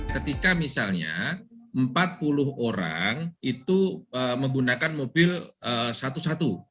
ketika misalnya empat puluh orang itu menggunakan mobil satu satu